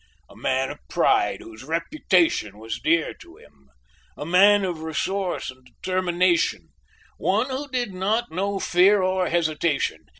"A man of pride whose reputation was dear to him; a man of resource and determination; one who did not know fear or hesitation.